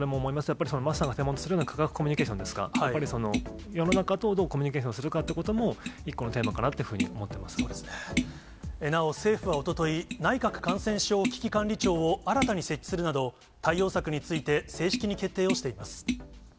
やっぱり、まさにコミュニケーションですか、やっぱり、世の中とどうコミュニケーションするかというのも、１個のテーマかなというふうに思なお政府はおととい、内閣感染症危機管理庁を新たに設置するなど、対応策について正式に決定をしています。